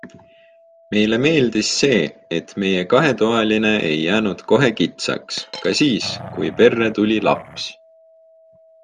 Meile meeldis see, et meie kahetoaline ei jäänud kohe kitsaks, ka siis kui perre tuli laps.